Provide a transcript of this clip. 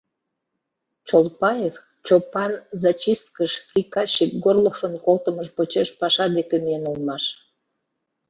Чолпаев Чопан зачисткыш приказчик Горловын колтымыж почеш паша деке миен улмаш.